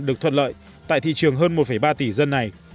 được thuận lợi tại thị trường hơn một ba tỷ dân này